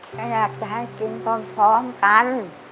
ก็อยากจะให้กินพร้อมกัน